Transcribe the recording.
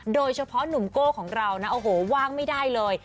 โดยเฉพาะหนุ่มโก้ของเรานะโอ้โหว่างไม่ได้เลย